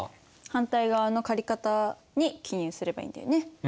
反対側の借方に記入すればいいんだよね。